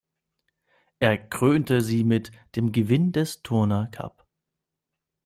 Er krönte sie mit dem Gewinn des Turner Cup.